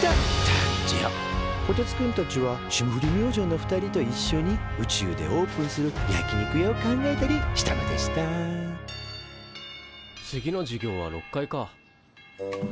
こてつくんたちは霜降り明星の二人といっしょに宇宙でオープンする焼き肉屋を考えたりしたのでした次の授業は６階か。